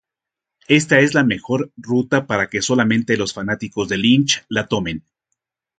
Esta es la mejor ruta para que solamente los fanáticos de Lynch la tomen.